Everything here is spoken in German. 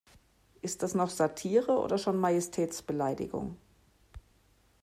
Ist das noch Satire oder schon Majestätsbeleidigung?